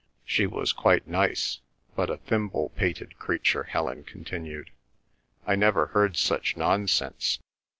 "She was quite nice, but a thimble pated creature," Helen continued. "I never heard such nonsense!